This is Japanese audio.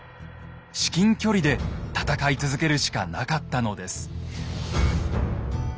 至近距離で戦い続けるしかなかったのです。